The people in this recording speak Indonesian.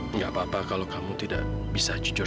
enggak apa apa kalau kamu tidak bisa jujur